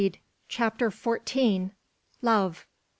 CHAPTER FOURTEEN. LOVE.